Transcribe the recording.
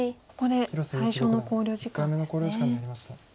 ここで最初の考慮時間ですね。